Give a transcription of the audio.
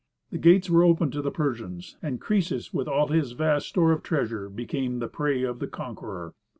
The gates were opened to the Persians, and Croesus with all his vast store of treasure became the prey of the conqueror.